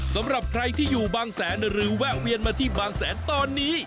สำหรับใครที่อยู่บางแสนหรือแวะเวียนมาที่บางแสนตอนนี้